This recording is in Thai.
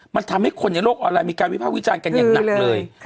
มันทำให้คนในโลกออนไลน์มีการวิภาควิจารณ์กันอย่างหนักเลย